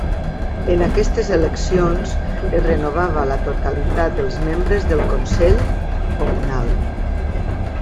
En aquestes eleccions es renovava la totalitat dels membres del consell comunal.